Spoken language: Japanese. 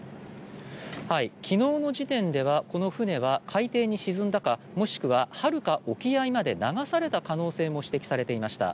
昨日の時点では、この船は海底に沈んだかもしくは、はるか沖合まで流された可能性も指摘されていました。